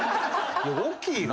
大きいよ。